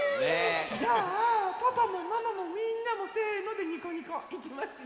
じゃあパパもママもみんなも「せの！」でにこにこいきますよ！